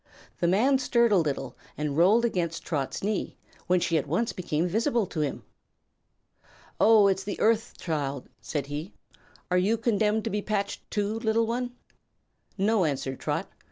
The man stirred a little and rolled against Trot's knee, when she at once became visible to him. "Oh, it's the Earth Child," said he. "Are you condemned to be patched, too, little one?" "No," answered Trot.